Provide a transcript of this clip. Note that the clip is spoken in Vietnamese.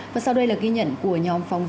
và sau đây là ghi nhận của nhóm phóng viên